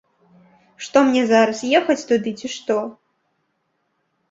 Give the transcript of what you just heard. Што мне зараз, ехаць туды, ці што?